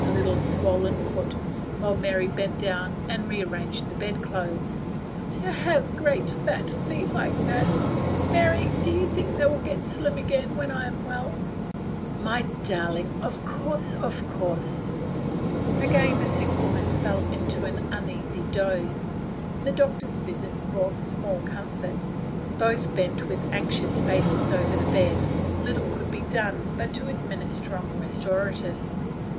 the little swollen foot, while Maiy bent down and rearranged the pillows, " to have great fat feet like that Mary, do you think they will get slim again when I am well ?" u My dear girl, of course, of course." The sick woman fell into an uneasy doze after that The doctors 9 visit brought small comfort. Both bent with anxious faces over the bed. Little could be done but to admin ister strong restoratives.